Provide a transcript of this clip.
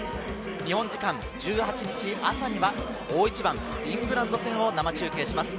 日本時間・１８日朝には大一番、イングランド戦を生中継します。